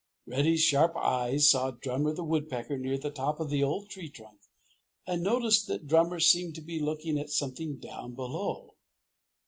Reddy's sharp eyes saw Drummer the Woodpecker near the top of the old tree trunk and noticed that Drummer seemed to be looking at something down below.